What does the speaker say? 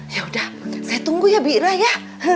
yaudah saya tunggu ya bira ya